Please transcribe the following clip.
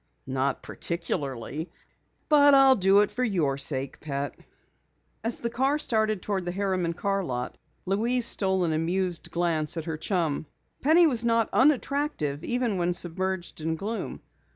"Not particularly. But I'll do it for your sake, pet." As the car started toward the Harriman Car Lot, Louise stole an amused glance at her chum. Penny was not unattractive, even when submerged in gloom.